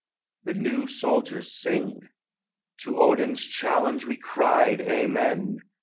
THE NEW SOLDIERS SING: To Odin's challenge we cried Amen!